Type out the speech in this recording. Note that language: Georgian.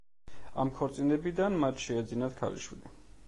ამ ქორწინებიდან მათ შეეძინათ ქალიშვილი.